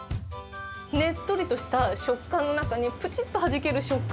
ねっとりとした食感の中に、ぷちっとはじける食感。